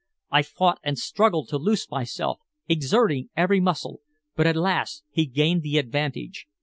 I fought and struggled to loose myself, exerting every muscle, but alas! he gained the advantage.